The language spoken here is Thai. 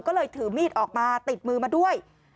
ก็เลยถือมีดออกมาติดมือมาด้วย